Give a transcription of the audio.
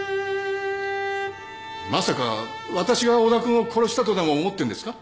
まさかわたしが小田君を殺したとでも思ってんですか？